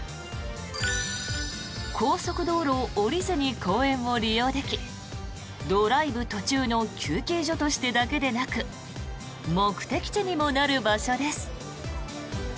高速道路を降りずに公園を利用できドライブ途中の休憩所としてだけでなく目的地にもなる場所です。